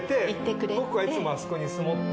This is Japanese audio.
僕はいつもあそこに椅子持って。